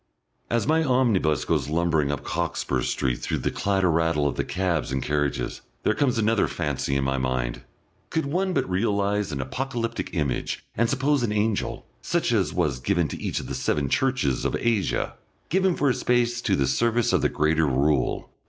As my omnibus goes lumbering up Cockspur Street through the clatter rattle of the cabs and carriages, there comes another fancy in my mind.... Could one but realise an apocalyptic image and suppose an angel, such as was given to each of the seven churches of Asia, given for a space to the service of the Greater Rule.